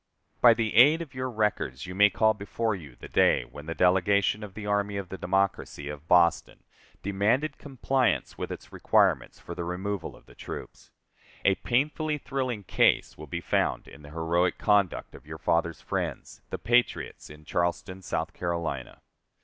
By the aid of your records you may call before you the day when the delegation of the army of the democracy of Boston demanded compliance with its requirements for the removal of the troops. A painfully thrilling case will be found in the heroic conduct of your fathers' friends, the patriots in Charleston, South Carolina.